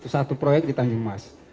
satu proyek di tanjung mas